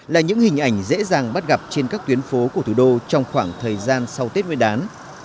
là những hình ảnh dễ dàng bắt gặp trên các tuyến phố của thủ đô trong khoảng thời gian sau tết nguyên đán